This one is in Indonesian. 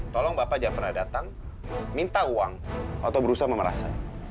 tolong bapak jangan pernah datang minta uang atau berusaha memerasnya